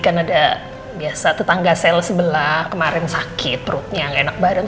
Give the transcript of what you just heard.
kan ada biasa tetangga sel sebelah kemarin sakit perutnya nggak enak bareng